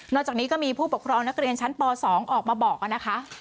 จากนี้ก็มีผู้ปกครองนักเรียนชั้นป๒ออกมาบอกนะคะ